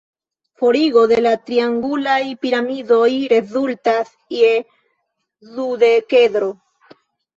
Forigo de la triangulaj piramidoj rezultas je dudekedro.